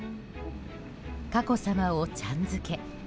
佳子さまをちゃん付け。